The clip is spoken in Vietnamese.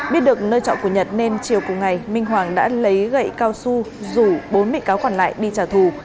biết được nơi trọ của nhật nên chiều cùng ngày minh hoàng đã lấy gậy cao su rủ bốn bị cáo còn lại đi trả thù